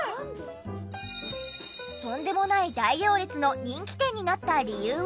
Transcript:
とんでもない大行列の人気店になった理由は。